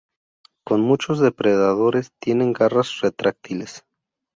Como muchos depredadores, tienen garras retráctiles.